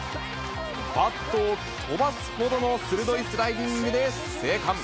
バットを飛ばすほどの鋭いスライディングで生還。